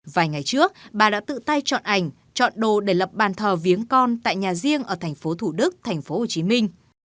vài ngày trước bà đã tự tay chọn ảnh chọn đồ để lập bàn thờ viếng con tại nhà riêng ở thành phố thủ đức thành phố hồ chí minh